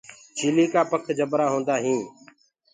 چيِلي ڪآ پک جبرآ هيندآ هينٚ۔